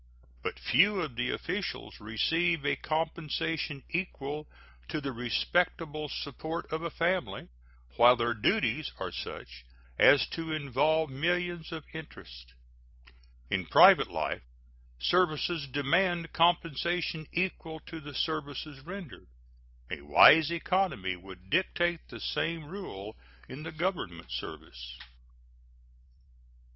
But few of the officials receive a compensation equal to the respectable support of a family, while their duties are such as to involve millions of interest. In private life services demand compensation equal to the services rendered; a wise economy would dictate the same rule in the Government service.